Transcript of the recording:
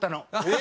え！